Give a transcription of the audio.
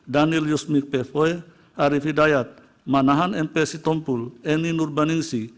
daniel yusmik pevoe arief hidayat manahan m p sitompul eni nurbaningsi